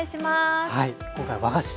今回和菓子。